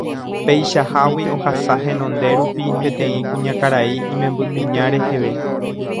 peichahágui ohasa henonde rupi peteĩ kuñakarai imembykuña reheve.